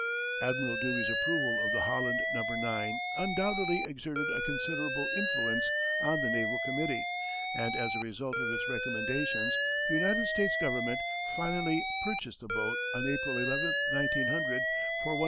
Admiral Dewey's approval of the Holland No. 9 undoubtedly exerted a considerable influence on the Naval Committee and as a result of its recommendations the United States Government finally purchased the boat on April 11, 1900, for $150,000.